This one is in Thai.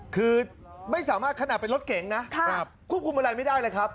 คือไม่สามารถขนาดเป็นรถเก๋งนะควบคุมอะไรไม่ได้เลยครับ